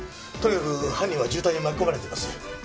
とにかく犯人は渋滞に巻き込まれています。